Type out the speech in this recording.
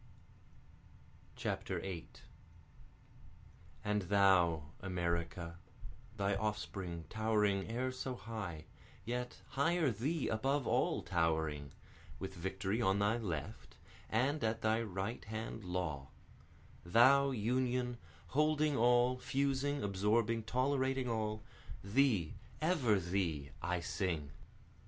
8 And thou America, Thy offspring towering e'er so high, yet higher Thee above all towering, With Victory on thy left, and at thy right hand Law; Thou Union holding all, fusing, absorbing, tolerating all, Thee, ever thee, I sing.